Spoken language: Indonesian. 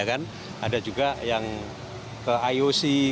ada juga yang ke ioc